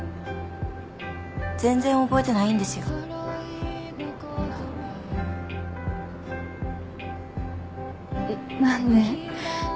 全然覚えてないんですよえっなんで？